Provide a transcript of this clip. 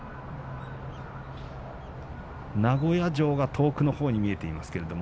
名古屋城が遠くのほうに見えています。